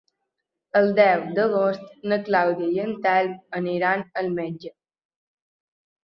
El deu d'agost na Clàudia i en Telm aniran al metge.